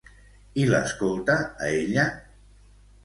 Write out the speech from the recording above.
I l'escolta, a ella?